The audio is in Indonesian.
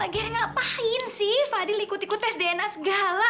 akhirnya ngapain sih fadil ikut ikut tes dna segala